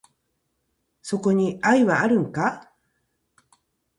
そこに愛はあるんか？